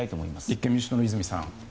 立憲民主党の泉さん